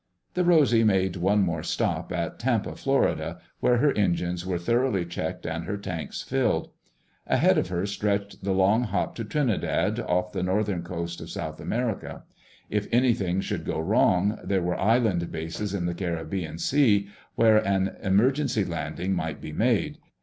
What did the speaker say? The Rosy made one more stop at Tampa, Florida, where her engines were thoroughly checked and her tanks filled. Ahead of her stretched the long hop to Trinidad, off the northern coast of South America. If anything should go wrong, there were island bases in the Caribbean Sea where an emergency landing might be made.